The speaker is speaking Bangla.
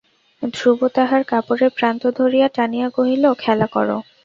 ধ্রুব তাঁহার কাপড়ের প্রান্ত ধরিয়া টানিয়া কহিল, খেলা করো।